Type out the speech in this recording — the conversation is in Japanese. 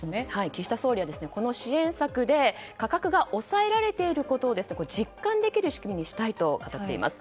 岸田総理は、この支援策で価格が抑えられていることを実感できる仕組みにしたいと語っています。